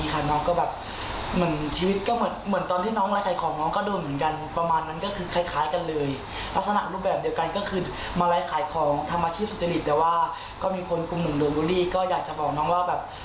ขอให้ยอดปังจ้า